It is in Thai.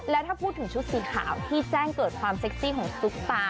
แล้วถ้าพูดถึงชุดสีขาวที่แจ้งเกิดความเซ็กซี่ของซุปตา